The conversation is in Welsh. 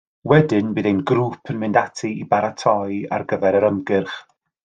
Wedyn bydd ein grŵp yn mynd ati i baratoi ar gyfer yr ymgyrch